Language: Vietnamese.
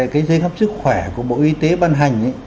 cái giấy khám sức khỏe của bộ y tế ban hành